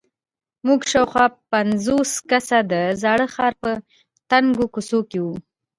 موږ شاوخوا پنځوس کسه د زاړه ښار په تنګو کوڅو کې وو.